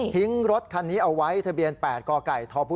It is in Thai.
ทิ้งรถคันนี้เอาไว้ทะเบียน๘กทพ๙๖๔๘